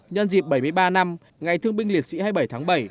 nhân dịp bảy mươi ba năm ngày thương binh liệt sĩ hai mươi bảy tháng bảy